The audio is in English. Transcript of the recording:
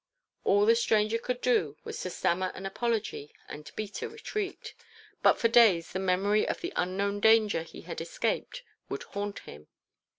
All the stranger could do was to stammer an apology and beat a retreat; but for days the memory of the unknown danger he had escaped would haunt him.